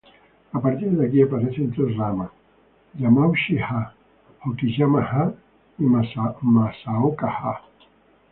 A partir de aquí aparecen tres ramas: Yamauchi-ha, Hokiyama-ha y Masaoka-ha.